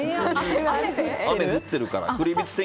外、雨降ってるからって。